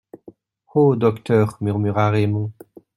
Oh ! docteur, murmura Raymond.